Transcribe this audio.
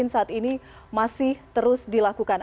saat ini masih terus dilakukan